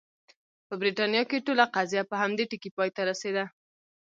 په برېټانیا کې ټوله قضیه په همدې ټکي پای ته رسېده.